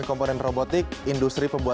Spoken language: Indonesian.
kemudian juga ada industri warna